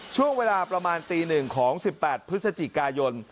ช่วงเวลาประมาณตีหนึ่งของสิบแปดพฤศจิกายน